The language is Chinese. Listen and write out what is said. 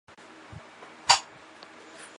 构成集合的事物或对象称作元素或是成员。